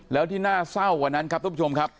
แล้วที่น่าเศร้ากว่านั้นครับทุกผู้ชมครับ